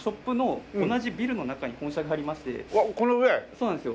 そうなんですよ。